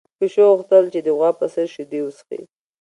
پيشو غوښتل چې د غوا په څېر شیدې وڅښي.